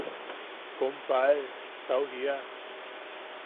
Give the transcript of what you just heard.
–Kompae –tau jiia.